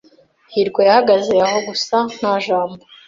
hirwa yahagaze aho gusa nta jambo.